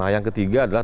yang ketiga adalah